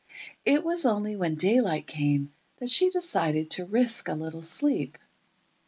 It was only when daylight came that she decided to risk a little sleep.